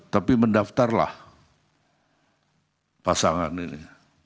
tapi mendaftarlah pasangan ini